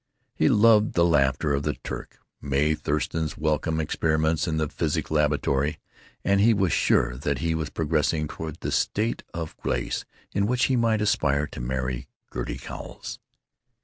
He loved the laughter of the Turk, Mae Thurston's welcome, experiments in the physics laboratory. And he was sure that he was progressing toward the state of grace in which he might aspire to marry Gertie Cowles.